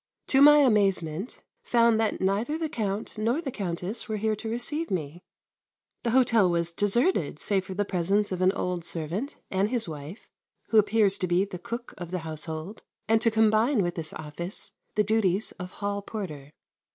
To my amazement found that neither the Count nor the Countess were here to receive me. The Hotel was deserted save for the presence of an old servant, and his wife, who appears to be the cook of the household, and to combine with this office the duties of hall porter.